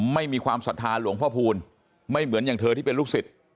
ไม่มีความศรัทธาหลวงพ่อพูลไม่เหมือนอย่างเธอที่เป็นลูกศิษย์